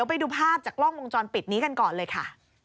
กลับไปปิดนี้กันก่อนเลยค่ะ